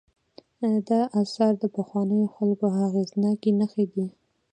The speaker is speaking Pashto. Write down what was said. دا آثار د پخوانیو خلکو اغېزناکې نښې دي.